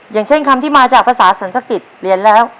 อย่างเช่นคำที่มาจากภาษาสรรสกิจเรียนแล้ว